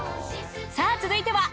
さあ続いては？